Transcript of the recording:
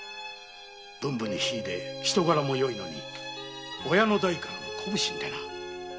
文武に秀で人柄もよいのに親の代からの小普請でな。